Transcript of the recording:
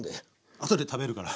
あとで食べるから。